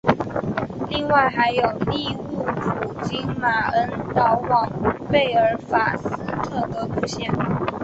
另外还有利物浦经马恩岛往贝尔法斯特的路线。